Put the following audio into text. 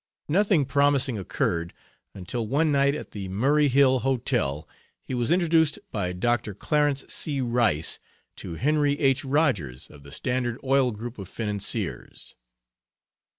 Nothing promising occurred, until one night at the Murray Hill Hotel he was introduced by Dr. Clarence C. Rice to Henry H. Rogers, of the Standard Oil group of financiers.